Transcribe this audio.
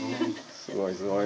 すごいすごい。